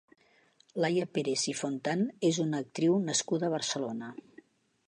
Laia Pérez i Fontan és una actriu nascuda a Barcelona.